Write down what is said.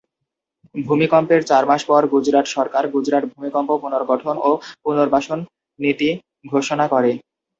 ভূমিকম্পের চার মাস পর গুজরাট সরকার গুজরাট ভূমিকম্প পুনর্গঠন ও পুনর্বাসন নীতি ঘোষণা করে।